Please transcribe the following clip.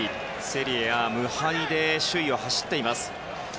セリエＡ無敗で首位を走っています。